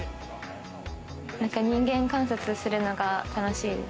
人間観察するのが楽しいです。